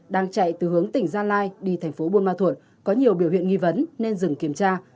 đang chạy từ hướng tỉnh gia lai đi thành phố buôn ma thuột có nhiều biểu hiện nghi vấn nên dừng kiểm tra